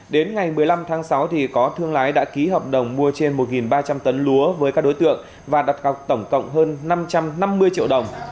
đến ngày một mươi năm tháng sáu có thương lái đã ký hợp đồng mua trên một ba trăm linh tấn lúa với các đối tượng và đặt gọc tổng cộng hơn năm trăm năm mươi triệu đồng